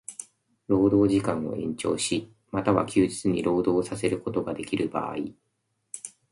労働時間を延長し、又は休日に労働させることができる場合